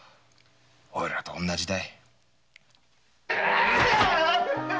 おいらと同じだ。